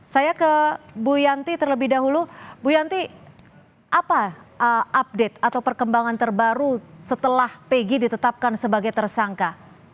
saya ke bu yanti terlebih dahulu bu yanti apa update atau perkembangan terbaru setelah pegi ditetapkan sebagai tersangka